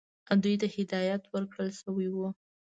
دوی ته هدایت ورکړل شوی وو.